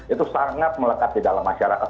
itu sangat melekat di dalam masyarakat